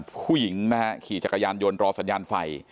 ผู้หญิงนะฮะขี่จักรยานยนต์รอสัญญาณไฟ